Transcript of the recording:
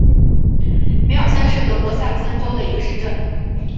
米尔森是德国萨克森州的一个市镇。